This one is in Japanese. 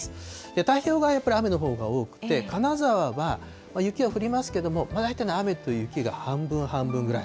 太平洋側、やっぱり雨のほうが多くて、金沢は雪は降りますけれども、大体雨と雪が半分半分ぐらい。